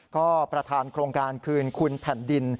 ก็ประธานโครงการคืนคุณแผ่นดิน